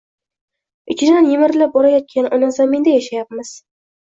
Ichidan yemirilib borayotgan Ona zaminda yashayapmiz